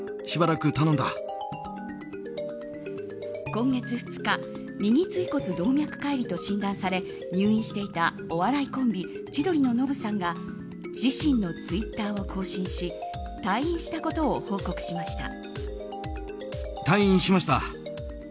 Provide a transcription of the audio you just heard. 今月２日、右椎骨動脈解離と診断され入院していたお笑いコンビ千鳥のノブさんが自身のツイッターを更新し退院したことを報告しました。